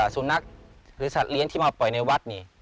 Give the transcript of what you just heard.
สุนัขหรือสัตว์เลี้ยงที่มาปล่อยในวัดนี่